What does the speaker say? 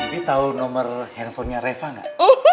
nanti tahu nomor handphonenya reva nggak